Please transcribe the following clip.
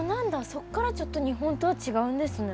そっからちょっと日本とは違うんですね。